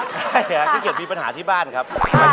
ใช่ค่ะขี้เกียจมีปัญหาที่บ้านครับ